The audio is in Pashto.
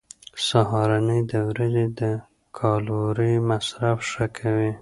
سهارنۍ د ورځې د کالوري مصرف ښه کوي.